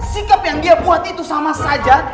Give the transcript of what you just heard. sikap yang dia buat itu sama saja